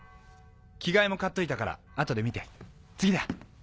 着替えも買っといたから後で見て次だ！